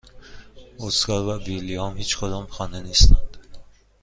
اسکار و ویلیام هیچکدام خانه نیستند.